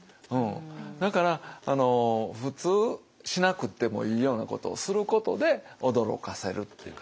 だから普通しなくてもいいようなことをすることで驚かせるというか。